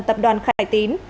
tập đoàn khải tín